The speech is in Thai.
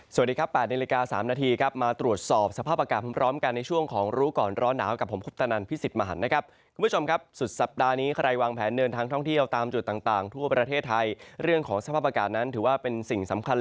สวัสดีครับ๘นาฬิกา๓นาทีครับมาตรวจสอบสภาพอากาศพร้อมกันในช่วงของรู้ก่อนร้อนหนาวกับผมคุปตนันพิสิทธิ์มหันนะครับคุณผู้ชมครับสุดสัปดาห์นี้ใครวางแผนเดินทางท่องเที่ยวตามจุดต่างทั่วประเทศไทยเรื่องของสภาพอากาศนั้นถือว่าเป็นสิ่งสำคัญ